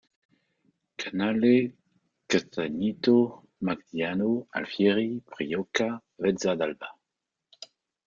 Canale, Castagnito, Magliano Alfieri, Priocca, Vezza d'Alba.